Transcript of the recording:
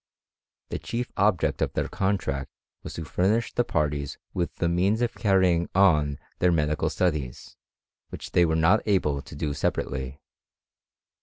The chief object of their contract was to furnish the parties with the means of carrying on their medical studies, which they were not able to do separately.